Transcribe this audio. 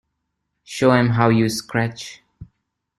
Show 'em how you scratch.